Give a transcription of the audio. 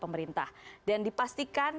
pemerintah dan dipastikan